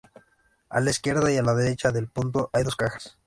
A la izquierda y la derecha del punto hay dos cajas.